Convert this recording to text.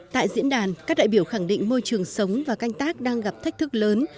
tại diễn đàn các đại biểu khẳng định môi trường sống và canh tác đang gặp thách thức lớn